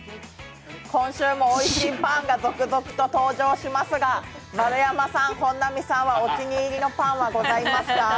今週もおいしいパンが続々と登場しますが、丸山さん、本並さんはお気に入りのパンはございますか。